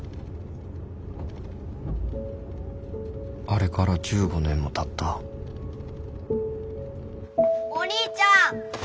あれから１５年もたったお兄ちゃん。